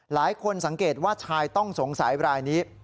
หลายคนสังเกตว่าชายต้องสงสัยรายนี้